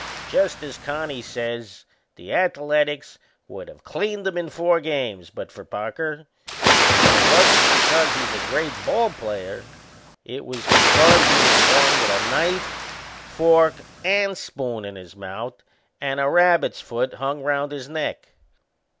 Just as Connie says, the Ath a letics would of cleaned 'em in four games but for Parker; but it wasn't because he's a great ball player it was because he was born with a knife, fork and spoon in his mouth, and a rabbit's foot hung round his neck.